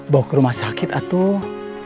bawa ke rumah sakit atuh